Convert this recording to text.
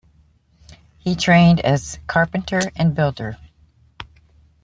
He trained as carpenter and builder.